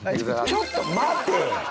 ちょっと待てぃ！！